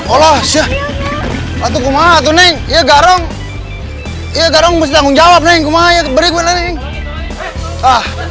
allah syekh atuh kumatuning ya garong garong mustangung jawab neng kumaya berikutnya